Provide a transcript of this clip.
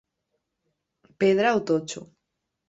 Pedra o totxo.